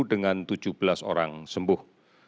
dengan tujuh belas orang sembuh